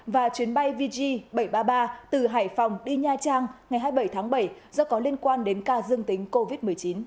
và chuyến bay vg bảy trăm ba mươi ba từ hải phòng đi nha trang ngày hai mươi bảy tháng bảy do có liên quan đến ca dương tính covid một mươi chín